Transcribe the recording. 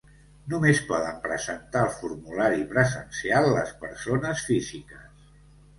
Només poden presentar el formulari presencial les persones físiques.